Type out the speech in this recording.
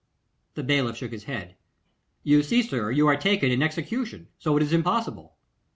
The bailiff shook his head. 'You see, sir, you are taken in execution, so it is impossible.